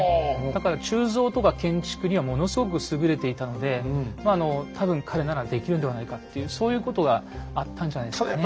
だから鋳造とか建築にはものすごく優れていたのでまああの多分彼ならできるんではないかっていうそういうことがあったんじゃないですかね。